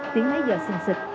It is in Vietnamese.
tiếng mấy giờ xinh xịt